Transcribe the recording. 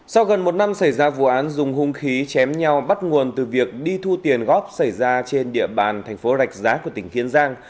sau gần một năm xảy ra vụ án dùng hung khí chém nhau bắt nguồn từ việc đi thu tiền góp xảy ra trên địa bàn thành phố rạch giá của tỉnh kiên giang